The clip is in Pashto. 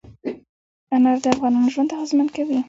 انار د افغانانو ژوند اغېزمن کوي.